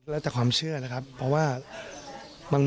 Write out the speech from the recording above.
แล้วแต่ความเชื่อนะครับเพราะว่า